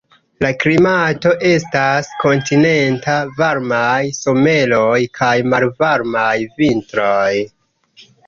La klimato estas kontinenta: varmaj someroj kaj malvarmaj vintroj.